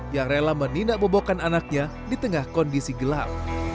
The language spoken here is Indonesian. yang rela menindak bobokan anaknya di tengah kondisi gelap